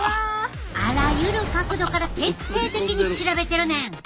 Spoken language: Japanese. あらゆる角度から徹底的に調べてるねん。